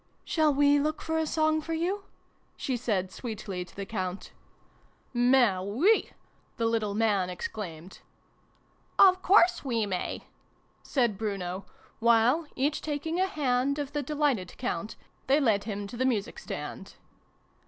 " Shall we look for a song for you ?" she said sweetly to the Count. N 7. i8o SYLVIE AND BRUNO CONCLUDED. "Mais oui I " the little man exclaimed. " Of course we may !" said Bruno, while, each taking a hand of the delighted Count, they led him to the music stand.